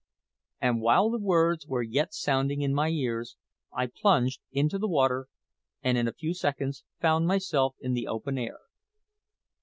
And while the words were yet sounding in my ears, I plunged into the water, and in a few seconds found myself in the open air.